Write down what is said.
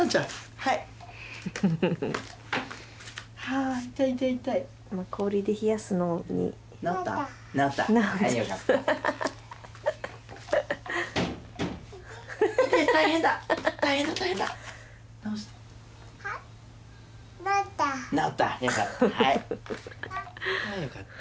はあよかった。